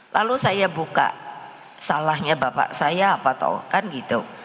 lalu saya buka salahnya bapak saya apa tau kan gitu